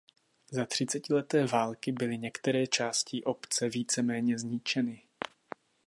Za třicetileté války byly některé části obce víceméně zničeny.